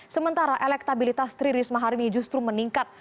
sementara elektabilitas tri risma hari ini justru meningkat